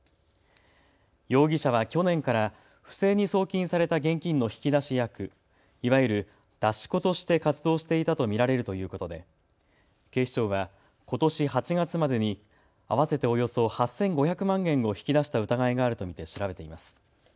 容疑者は去年から不正に送金された現金の引き出し役、いわゆる出し子として活動していたと見られるということで警視庁は、ことし８月までに合わせておよそ８５００万円を引き出した疑いがあると見て調べています。